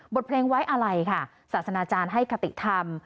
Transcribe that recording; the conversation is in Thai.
เพลงไว้อะไรค่ะศาสนาจารย์ให้คติธรรม